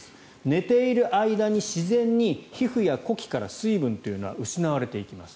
寝ている間に自然に皮膚や呼気から水分というのは失われていきます。